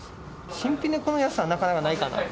新品でこの安さはなかなかないかなと。